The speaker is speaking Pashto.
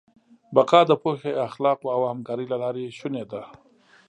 بقا د پوهې، اخلاقو او همکارۍ له لارې شونې ده.